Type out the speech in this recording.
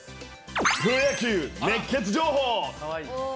プロ野球熱ケツ情報。